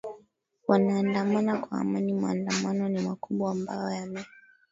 wanaandamana kwa amani maandamano ni makubwa ambayo yame